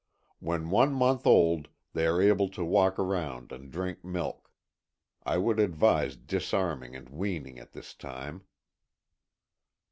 When one month old they are able to walk around and drink milk. I would advise disarming and weaning at this time.